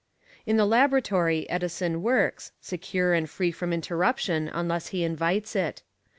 In the Laboratory, Edison works, secure and free from interruption unless he invites it.